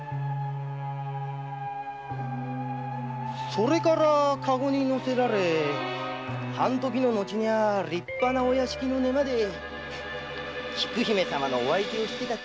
それから駕篭に乗せられ半時の後には立派なお屋敷の寝間で菊姫様のお相手をしてたってわけで。